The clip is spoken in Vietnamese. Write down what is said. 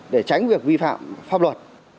để tránh việc vi phạm pháp luật